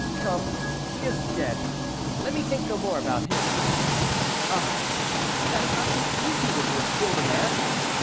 "Come, he is dead; let me think no more about him. Ah! but that is not so easy, when you have killed a man."